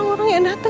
setelah tiga waktu